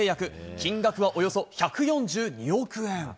金額はおよそ１４２億円。